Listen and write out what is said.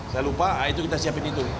saya lupa itu kita siapin itu